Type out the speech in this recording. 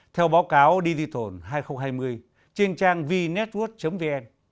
theo báo cáo digital hai nghìn hai mươi trên trang vnetwork vn